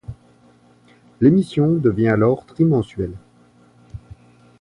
L'émission devient alors trimensuelle.